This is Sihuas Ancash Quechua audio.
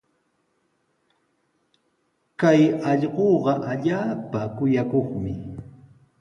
Kay allquuqa allaapa kuyakuqmi.